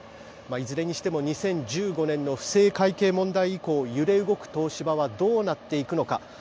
いずれにしても２０１５年の不正会計問題以降揺れ動く東芝はどうなっていくのか。